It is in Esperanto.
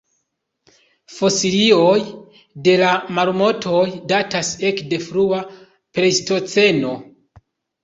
Fosilioj de la marmotoj datas ekde frua plejstoceno.